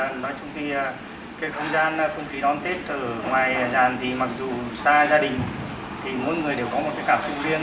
nói chung thì cái không gian không khí đón tết ở ngoài giàn thì mặc dù xa gia đình thì mỗi người đều có một cái cảm xúc riêng